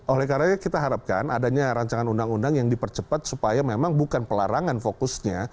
oleh karena itu kita harapkan adanya rancangan undang undang yang dipercepat supaya memang bukan pelarangan fokusnya